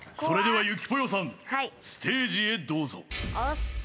それではゆきぽよさんステージへどうぞオス！